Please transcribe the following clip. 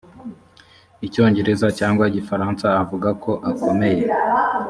icyongereza cyangwa igifaransa avuga ko akomeye